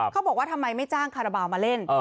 เขาบอกว่าทำไมไม่จ้างคาราบาลมาเล่น